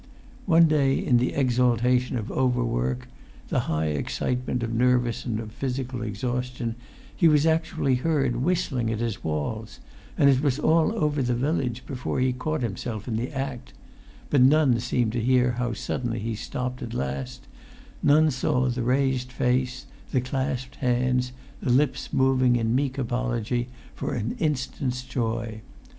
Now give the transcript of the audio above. One day, in the exaltation of overwork, the high excitement of nervous and of physical exhaustion, he was actually heard whistling at his walls, and it was all over the village before he caught himself in the act; but none seemed to hear how suddenly he stopped at last; none saw the raised face, the clasped hands, the lips moving in meek apology for an instant's joy.